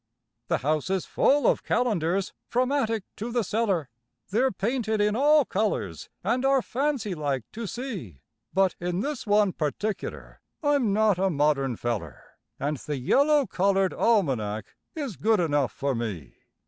The house is full of calendars from attic to the cellar, They're painted in all colours and are fancy like to see, But in this one particular I'm not a modern feller, And the yellow coloured almanac is good enough for me.